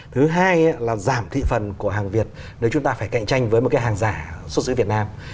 thứ hai là giảm thị phần của hàng việt nếu chúng ta phải cạnh tranh với một cái hàng giả xuất xứ việt nam